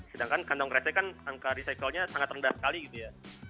sedangkan kantong kresek kan angka recycle nya sangat rendah sekali gitu ya